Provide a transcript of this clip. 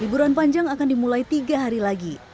liburan panjang akan dimulai tiga hari lagi